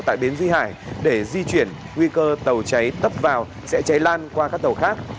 tại bến duy hải để di chuyển nguy cơ tàu cháy tấp vào sẽ cháy lan qua các tàu khác